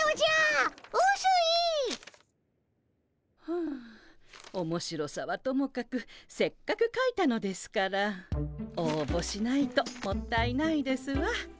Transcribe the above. ふうおもしろさはともかくせっかくかいたのですからおうぼしないともったいないですわ。